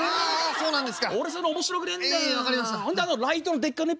「そうなんですね」。